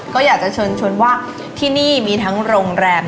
ก็อยากจะเชิญชวนว่าที่นี่มีทั้งโรงแรม